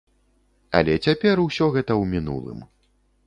Але цяпер усё гэта ў мінулым.